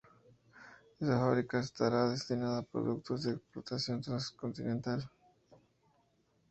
Esa fábrica estará destinada a los productos de exportación transcontinental.